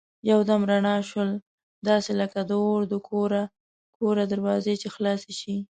یو دم رڼا شول داسې لکه د اور د کورې دروازه چي خلاصه شي.